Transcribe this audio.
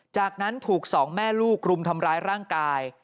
จากนั้นถูกสองแม่ลูกรุมทำร้ายร่างกาย